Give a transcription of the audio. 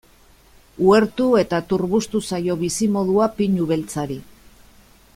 Uhertu eta turbustu zaio bizimodua pinu beltzari.